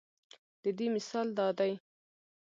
د دې مثال دا دے